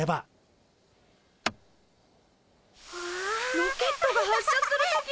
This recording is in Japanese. ロケットが発射する時の！